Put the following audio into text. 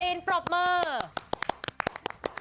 อินปรบมือ